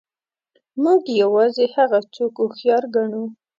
موږ یوازې هغه څوک هوښیار ګڼو.